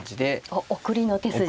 おっ送りの手筋で。